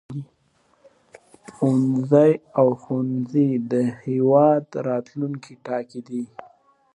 ښوونه او رزونه د یو هېواد راتلوونکی ټاکي.